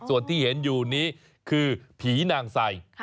ส่วนที่เห็นอยู่นี้คือผีนางใส่